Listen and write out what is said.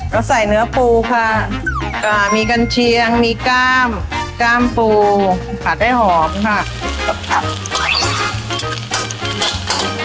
แล้วใส่เนื้อปูค่ะอ่ามีก๐เชียงมีกาลกาลปูผัดให้หอบค่ะ